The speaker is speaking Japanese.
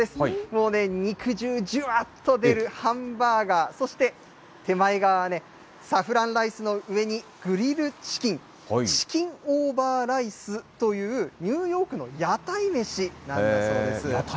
もうね、肉汁じゅわっと出るハンバーガー、そして手前側は、サフランライスの上にグリルチキン、チキンオーバーライスというニューヨークの屋台飯なんだそうです。